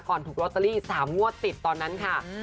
ก่อนถูกรอเตอรี่๓งวดติดตอนนันค่ะ